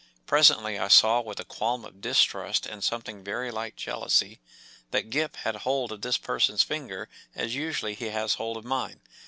Presently I saw with a qualm of distrust and something very like jealousy that Gip had hold of this person’s finger as usually he has hold of mine.